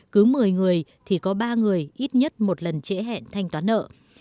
cứ một mươi người thì có ba người ít nhất một lần trễ hẹn thanh toán nợ